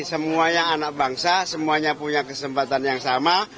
semuanya anak bangsa semuanya punya kesempatan yang sama